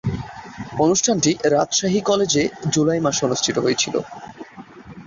অনুষ্ঠানটি রাজশাহী কলেজে জুলাই মাসে অনুষ্ঠিত হয়েছিলো।